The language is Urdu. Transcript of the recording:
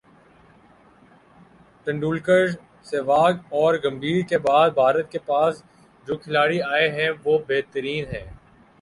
ٹنڈولکر ، سہواگ اور گمبھیر کے بعد بھارت کے پاس جو کھلاڑی آئے ہیں وہ بہترین ہیں